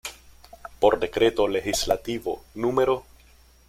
Por decreto legislativo No.